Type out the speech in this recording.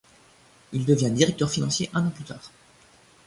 Il devient directeur financier un an plus tard.